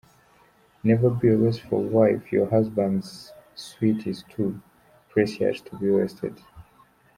Never be a wasteful wife, your husband’s sweat is too precious to be wasted.